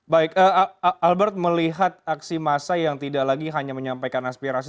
baik albert melihat aksi massa yang tidak lagi hanya menyampaikan aspirasi